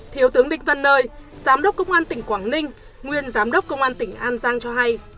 thiếu tướng định văn nơi giám đốc công an tỉnh quảng ninh nguyên giám đốc công an tỉnh an giang cho hay